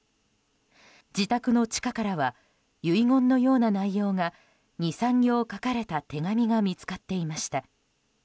自宅の地下からは遺言のような内容が２３行書かれた手紙が見つかっていました。